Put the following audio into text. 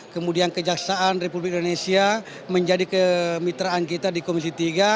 kemudian kejaksaan republik indonesia menjadi kemitraan kita di komisi tiga